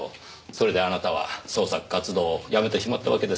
それであなたは創作活動をやめてしまったわけですか。